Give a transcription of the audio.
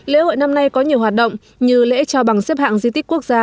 lễ hội năm nay có nhiều hoạt động như lễ trao bằng xếp hạng di tích quốc gia